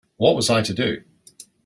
What was I to do?